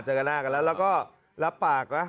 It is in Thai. เจอกันหน้ากันแล้วแล้วก็ลับปากนะ